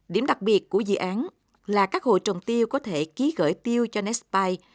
điểm đặc biệt của dự án là các hộ trồng tiêu có thể ký gửi tiêu cho nespai